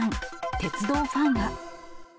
鉄道ファンは。